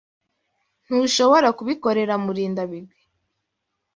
Ntushobora kubikorera Murindabigwi.